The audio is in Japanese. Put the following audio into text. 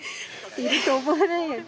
いると思わないよね。